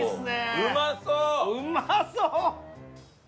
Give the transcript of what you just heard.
うまそう！